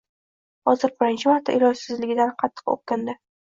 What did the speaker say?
Hozir birinchi marta ilojsizligidan qattiq o‘kindi.